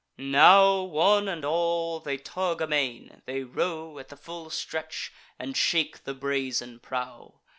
Now, one and all, they tug amain; they row At the full stretch, and shake the brazen prow.